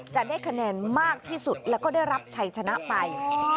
จะได้คะแนนมากที่สุดแล้วก็ได้รับชัยชนะไป